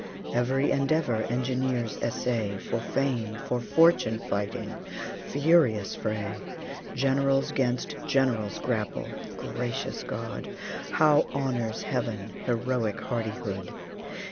Every endeavor engineers essay, For fame, for fortune fighting furious fray! Generals 'gainst generals grapple gracious God! How honors Heaven heroic hardihood!